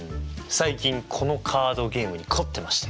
最近このカードゲームに凝ってまして。